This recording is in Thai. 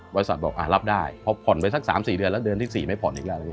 บริษัทบอกอ่ารับได้เพราะผ่อนไปสัก๓๔เดือนแล้วเดือนที่๔ไม่ผ่อนอีกแล้ว